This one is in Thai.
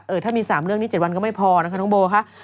ถ้ามี๓เรื่องนี้๗วันก็ไม่พอนะคะน้องโบค่ะ